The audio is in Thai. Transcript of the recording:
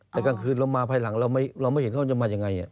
แต่กลางคืนเรามาภายหลังเราไม่เห็นเขาจะมายังไง